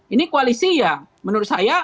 ini koalisi ya menurut saya